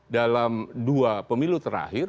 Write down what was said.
dalam dua pemilu terakhir